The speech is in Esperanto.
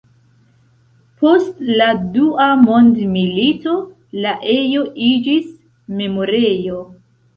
Post la dua mondmilito la ejo iĝis memorejo.